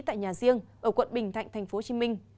tại nhà riêng ở quận bình thạnh tp hcm